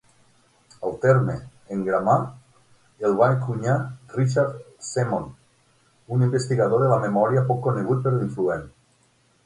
El terme "engrama" el va encunyar Richard Semon, un investigador de la memòria poc conegut però influent.